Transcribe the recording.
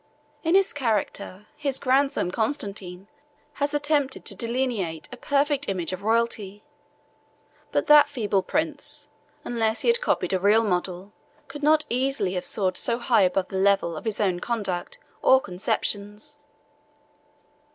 In his character, his grandson Constantine has attempted to delineate a perfect image of royalty: but that feeble prince, unless he had copied a real model, could not easily have soared so high above the level of his own conduct or conceptions.